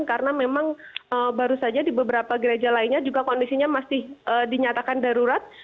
karena memang baru saja di beberapa gereja lainnya juga kondisinya masih dinyatakan darurat